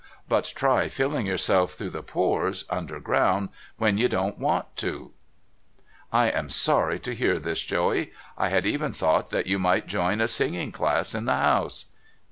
But try filling yourself through the pores, underground, when you don't want to it !'' I am sorry to hear this, Joey. I had even thought that you might join a singing class in the house.'